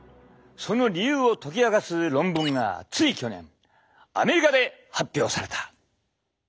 その理由を解き明かす論文がつい去年アメリカで発表された！